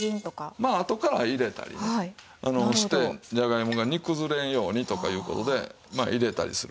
まああとから入れたりしてじゃがいもが煮崩れんようにとかいう事でまあ入れたりする。